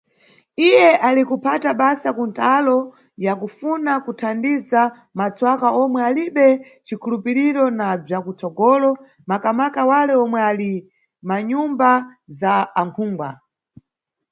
Iye ali kuphata basa ku ntalo ya kufuna kuthandiza matswaka omwe alibe cikhulupiriro na bzwa kutsogolo, makamaka wale omwe ali mʼmanyumba za akhungwa.